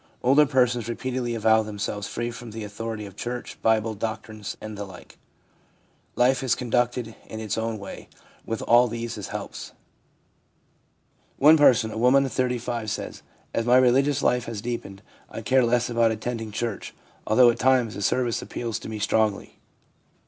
Older persons repeatedly avow themselves free from the authority of church, Bible, doctrines, and the like. Life is conducted in its own way, with all these as helps. One person, a woman of 35, says, ' As my religious life has deepened, I care less about attending church, although at times the service appeals to me strongly.'